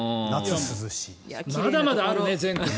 まだまだあるね全国に。